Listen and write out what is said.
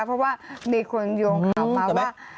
เพราะว่ามีคนโยงข่าวมาว่า